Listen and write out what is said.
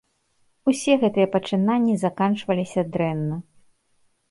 Усе гэтыя пачынанні заканчваліся дрэнна.